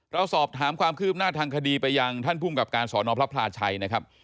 เราสอบถามความคืบหน้าทางคดีไปยังท่านภูมิกับการสอนอพระพลาชัยนะครับ